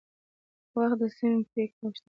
وخت د سمې پریکړې غوښتنه کوي